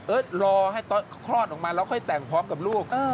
รอให้คลอดออกมาแล้วค่อยแต่งพร้อมกับลูก